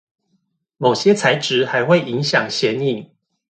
某些材質還會影響顯影